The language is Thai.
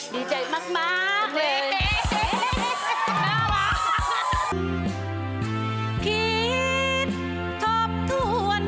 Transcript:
ดีใจมากเลย